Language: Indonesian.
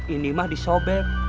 ini mah disobek